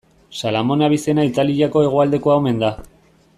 Salamone abizena Italiako hegoaldekoa omen da.